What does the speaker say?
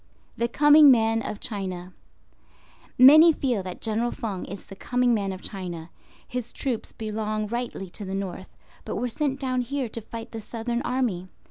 THE COMING MAN OF CHINA. Many feel that General Feng is the coming man of China. His troops belong rightly to the north, but were sent down here to fight the Southern Army.